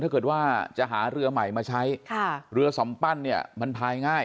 ถ้าเกิดว่าจะหาเรือใหม่มาใช้ค่ะเรือสัมปั้นเนี่ยมันพายง่าย